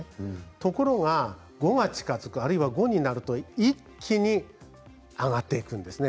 ところが、５が近づくあるいは５になると一気に上がっていくんですね